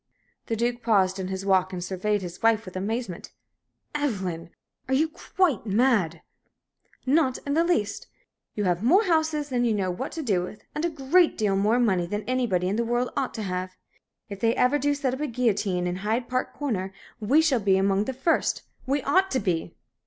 The Duke paused in his walk and surveyed his wife with amazement. "Evelyn, are you quite mad?" "Not in the least. You have more houses than you know what to do with, and a great deal more money than anybody in the world ought to have. If they ever do set up the guillotine at Hyde Park Corner, we shall be among the first we ought to be!"